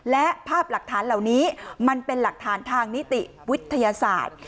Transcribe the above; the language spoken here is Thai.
และภาพหลักฐานเหล่านี้มันเป็นหลักฐานทางนิติวิทยาศาสตร์